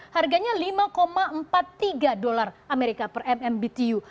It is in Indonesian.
harganya lima empat puluh tiga dolar amerika per mmbtu